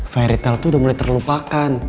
fairytale tuh udah mulai terlupakan